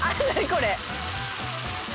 これ。